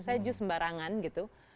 saya jus sembarangan gitu